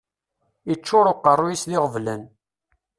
Iččuṛ uqeṛṛuy-is d iɣeblan.